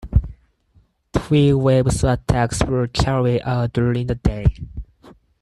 Three waves of attacks were carried out during the day.